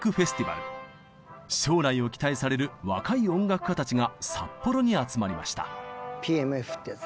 将来を期待される若い音楽家たちが札幌に集まりました。